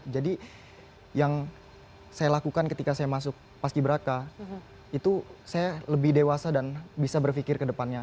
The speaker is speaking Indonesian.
jadi yang saya lakukan ketika saya masuk pas kiberaka itu saya lebih dewasa dan bisa berpikir ke depannya